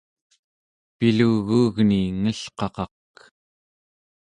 piluguugni engelqaqak